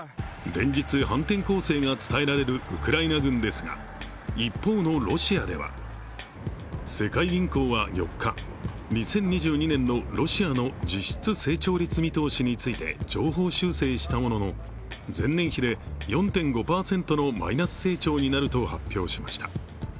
連日、反転攻勢が伝えられるウクライナ軍ですが、一方のロシアでは世界銀行は４日、２０２２年のロシアの実質成長率見通しについて上方修正したものの、前年比で４．５％のマイナス成長になると発表しました。